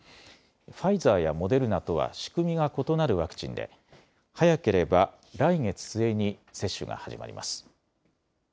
ファイザーやモデルナとは仕組みが異なるワクチンで早ければ来月末に接種が始まります。